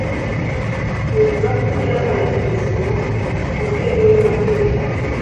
bivuga ko yabaye President utemewe n’amategeko